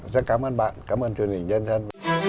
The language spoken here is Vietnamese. rất cảm ơn bạn cảm ơn chương trình nhân dân